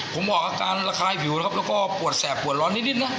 ผมบอกว่าอาการระขายผิวแล้วก็ปวดแซ่บปวดร้อนนิดนะ